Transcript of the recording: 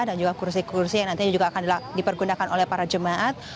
dan juga kursi kursi yang nantinya juga akan dipergunakan oleh para jemaat